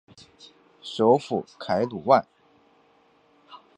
首府凯鲁万。